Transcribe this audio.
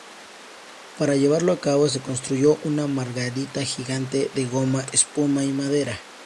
Para llevarlo a cabo se construyó una "margarita gigante" de goma espuma y madera.